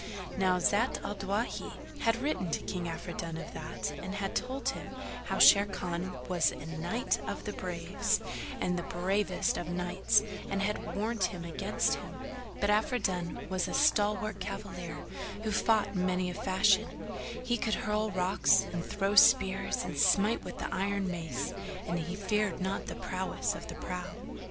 Now Zat al Dawahi had written to King Afridun of that and had told him how Sharrkan was a Knight of the Braves and the bravest of knights and had warned him against him; but Afridun was a stalwart cavalier who fought in many a fashion; he could hurl rocks and throw spears and smite with the iron mace and he feared not the prowess of the prow.